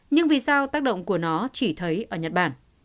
nhưng vì sao tác động của nó chỉ thấy ở nhật bản